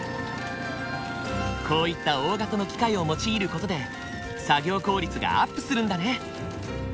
こういった大型の機械を用いる事で作業効率がアップするんだね。